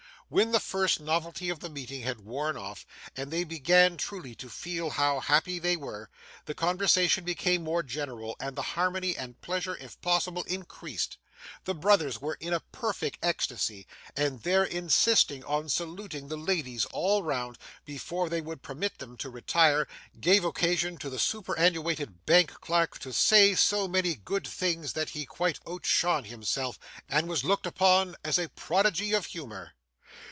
When the first novelty of the meeting had worn off, and they began truly to feel how happy they were, the conversation became more general, and the harmony and pleasure if possible increased. The brothers were in a perfect ecstasy; and their insisting on saluting the ladies all round, before they would permit them to retire, gave occasion to the superannuated bank clerk to say so many good things, that he quite outshone himself, and was looked upon as a prodigy of humour.